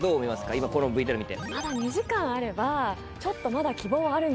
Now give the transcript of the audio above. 今このＶＴＲ見て。